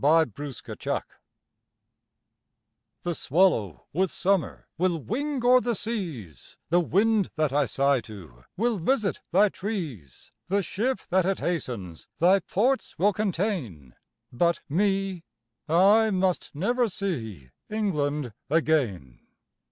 By Thomas Hood The swallow with summer Will wing o'er the seas, The wind that I sigh to Will visit thy trees. The ship that it hastens Thy ports will contain, But me! I must never See England again!